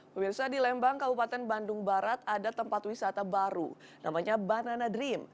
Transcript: pemirsa di lembang kabupaten bandung barat ada tempat wisata baru namanya banana dream